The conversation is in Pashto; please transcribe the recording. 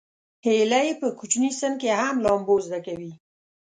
هیلۍ په کوچني سن کې هم لامبو زده کوي